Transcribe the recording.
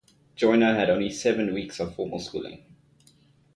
Joiner had only seven weeks of formal schooling.